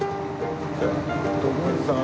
徳光さん